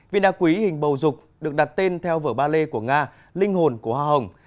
viên đa quý hình bầu rục được đặt tên theo vở ballet của nga linh hồn của hoa hồng